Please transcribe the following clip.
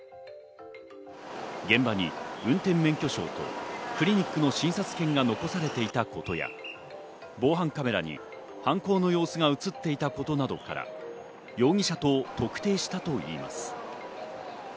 現場に運転免許証とクリニックの診察券が残されていたことや、防犯カメラに犯行の様子が映っていたことなどから容疑者と特定したといいます。